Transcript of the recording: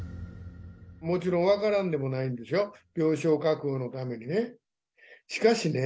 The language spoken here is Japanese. もちろん分からんでもないんですよ、病床確保のためにね。